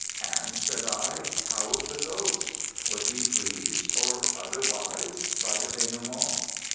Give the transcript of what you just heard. "'And,' said I, 'how of the ghost? was he pleased or otherwise, by the denouement?'